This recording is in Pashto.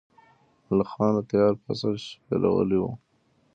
ملخانو تیار فصل شپېلولی و.